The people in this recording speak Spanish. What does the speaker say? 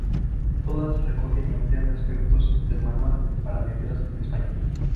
Todas recogen y amplían aspectos del "Manual para viajeros en España".